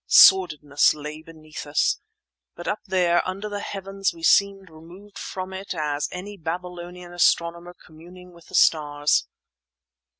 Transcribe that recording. Sordidness lay beneath us, but up there under the heavens we seemed removed from it as any Babylonian astronomer communing with the stars.